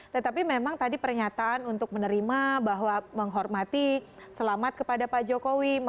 tetapi memang tadi pernyataan untuk menerima bahwa menghormati selamat kepada pak jokowi